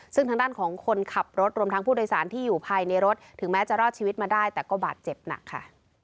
ซึ่งทางด้านของคนขับรถรวมทั้งผู้โดยสารที่อยู่ภายในรถถึงแม้จะรอดชีวิตมาได้แต่ก็บาดเจ็บหนักค่ะ